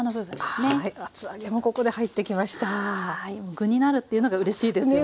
具になるっていうのがうれしいですよね。